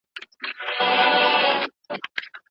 لارښود استاد باید خپله هم څېړنه کړې وي.